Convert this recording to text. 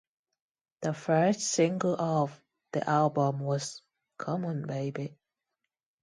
Their first single off the album was "C'mon Baby".